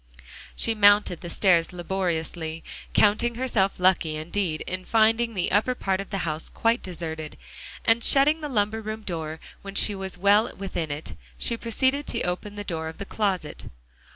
So she mounted the stairs laboriously, counting herself lucky indeed in finding the upper part of the house quite deserted, and shutting the lumber room door when she was well within it, she proceeded to open the door of the closet.